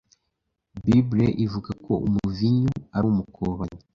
Bible ivuga ko umuvinyu ari umukobanyi